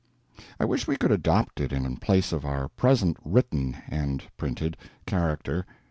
I wish we could adopt it in place of our present written (and printed) character.